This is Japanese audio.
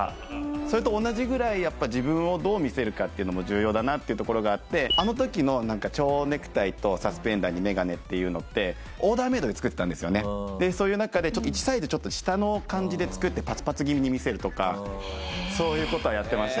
それと同じぐらいやっぱ自分をどう見せるかっていうのも重要だなっていうところがあってあの時のちょうネクタイとサスペンダーに眼鏡っていうのってでそういう中で１サイズ下の感じで作ってパツパツ気味に見せるとかそういう事はやってました。